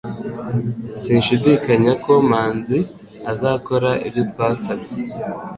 Sinshidikanya ko Manzi azakora ibyo twasabye.